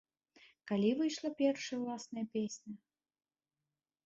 Калі выйшла першая ўласная песня?